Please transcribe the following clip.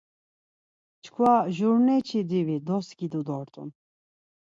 Çkva jurneçi divi doskidu dort̆un.